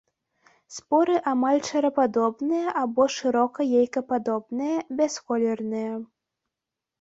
Споры амаль шарападобныя або шырока-яйкападобныя, бясколерныя.